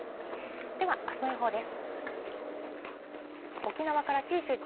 ではあすの予報です。